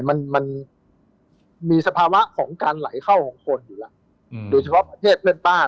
มันมันมีสภาวะของการไหลเข้าของคนอยู่แล้วโดยเฉพาะประเทศเพื่อนบ้าน